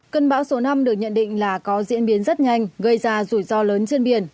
cơn bão số năm được nhận định là có diễn biến rất nhanh gây ra rủi ro lớn trên biển